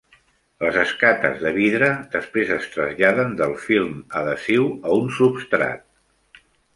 Les escates de vidre després es traslladen del film adhesiu a un substrat.